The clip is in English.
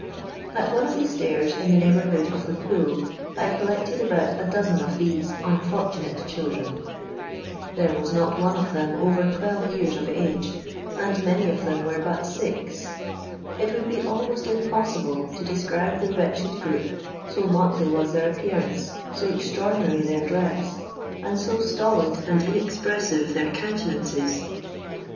At one of the stairs in the neighbourhood of the pool, I collected about a doxen of these un fortunate children; there waa not one of them I 156 LONDOir LABOUR AND THB LONDON POOR. orer twelre yean of age, and many of tbem were Imt MX. It would be almoit impoeiible to describe the wretched gronp, lo motley waa their appear ance, so extnu>rdinary their dreti, and lo atolid and inezpreanTe their conntenancei.